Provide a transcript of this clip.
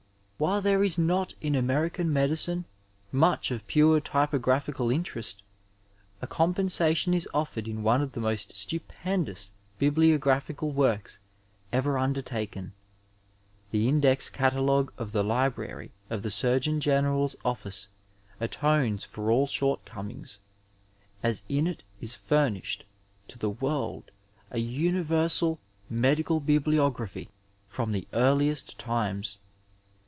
While there is not in American medicine much of pure typographical interest, a compensation is offered in one of the most stupendous bibliographical works ever under taken. The Index Oatalogue of the Library of the Surgeon Qeneral's Office atones for all shortcomings, as in it is furnished to the world a universal medical biblio graphy from the earliest times.